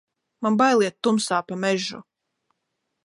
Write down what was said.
Man bail iet tumsā pa mežu!